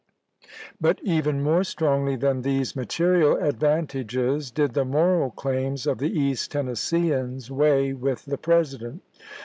But even more strongly than these material ad vantages did the moral claims of the East Tennes seeans weigh with the President.